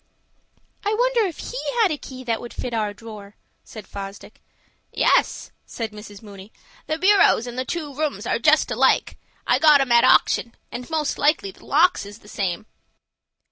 "I wonder if he had a key that would fit our drawer," said Fosdick. "Yes," said Mrs. Mooney. "The bureaus in the two rooms are just alike. I got 'em at auction, and most likely the locks is the same."